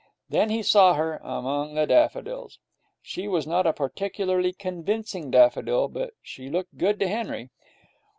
Then he saw her, among the daffodils. She was not a particularly convincing daffodil, but she looked good to Henry.